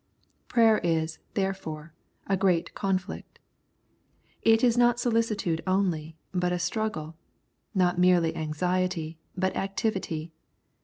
Prayer is, therefore, a " great conflict." It is not solicitude only, but a struggle ; not merely anxiety, but activity.